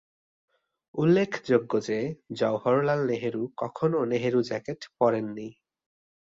উল্লেখযোগ্য যে, জওহরলাল নেহরু কখনও নেহরু জ্যাকেট পরেন নি।